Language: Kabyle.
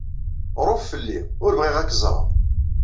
Ṛuf fell-i. Ur bɣiɣ ad k-ẓreɣ.